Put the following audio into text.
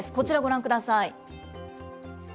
こちらご覧ください。